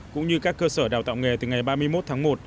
cũng như các cơ sở đào tạo nghề từ ngày ba mươi một tháng một